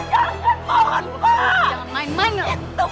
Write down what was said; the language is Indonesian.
itu motor untuk suami saya ngohjek pak